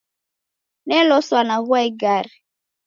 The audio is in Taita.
Neloswa naghua igare.